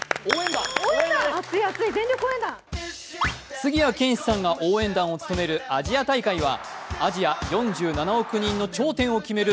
杉谷拳士さんが応援団を務めるアジア大会はアジア４７億人の頂点を決める